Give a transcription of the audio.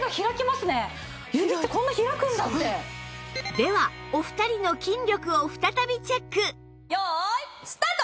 ではお二人の筋力を再びチェックよいスタート！